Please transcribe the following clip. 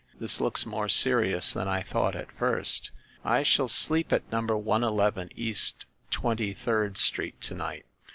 This looks more serious than I thought at first. I shall sleep at number in East Twenty third Street to night.